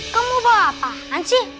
kamu bawa apaan sih